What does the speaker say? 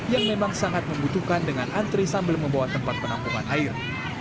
yang memang sangat membutuhkan dengan antri sambil membawa tempat penampungan air